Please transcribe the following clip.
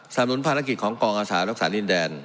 หนุนภารกิจของกองอาสารักษาดินแดน